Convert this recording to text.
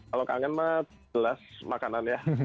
kalau kangen mah jelas makanan ya